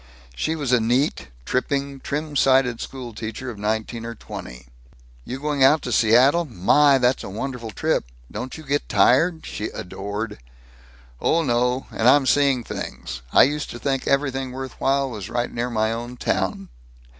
She was a neat, tripping, trim sided school teacher of nineteen or twenty. "You're going out to Seattle? My! That's a wonderful trip. Don't you get tired?" she adored. "Oh, no. And I'm seeing things. I used to think everything worth while was right near my own town."